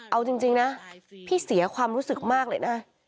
เอาจริงนะพี่เสียความรู้สึกมากเลยนะ